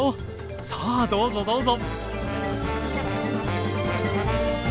さあどうぞどうぞ。